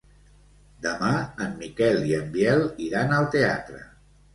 Demà en Miquel i en Biel iran al teatre.